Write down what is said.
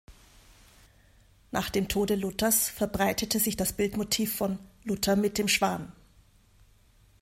Nach dem Tode Luthers verbreitete sich das Bildmotiv von „Luther mit dem Schwan“.